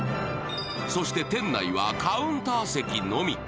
そして店内はカウンター席のみ。